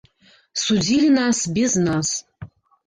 Судзілі нас без нас.